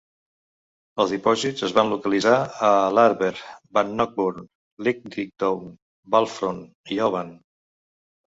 Els dipòsits es van localitzar a Larbert, Bannockburn, Linlithgow, Balfron i Oban.